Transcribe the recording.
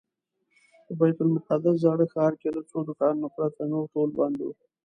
په بیت المقدس زاړه ښار کې له څو دوکانونو پرته نور ټول بند و.